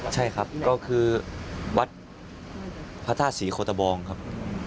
ใช่ครับก็คือวัดพระธาตุศรีโคตะบองครับ